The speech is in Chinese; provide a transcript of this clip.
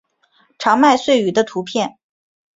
长麦穗鱼的图片